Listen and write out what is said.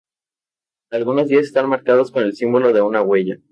Algunos días están marcados con el símbolo de una huella.